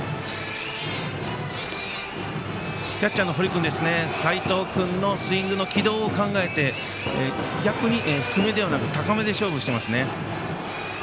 キャッチャーの堀君齋藤君のスイングの軌道を考えて逆に低めではなく高めで勝負してますね。